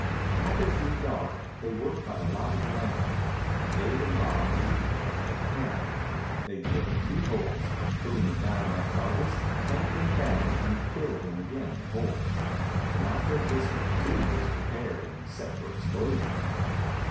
After it grew dark they worked by the light of the lantern. Dave and Bob relieved Buck at the hammer. They drilled two holes, put in the dynamite charges, tamped them down, and filled in again the holes. The nitroglycerine, too, was prepared and set for explosion.